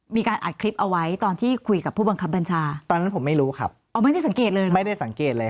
มีการอัดคลิปเอาไว้ตอนที่คุยกับผู้บังคับบัญชาตอนนั้นผมไม่รู้ครับไม่ได้สังเกตเลย